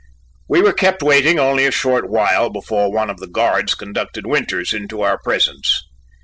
We were kept waiting only a short while before one of the guards conducted Winters into our presence.